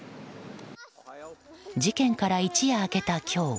事件から一夜明けた今日。